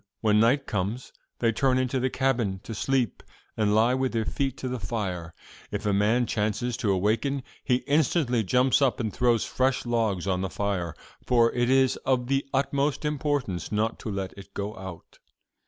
When night comes, they turn into the cabin to sleep, and lie with their feet to the fire. If a man chances to awaken, he instantly jumps up and throws fresh logs on the fire; for it is of the utmost importance not to let it go out.